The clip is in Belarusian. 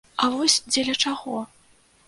А вось дзеля чаго?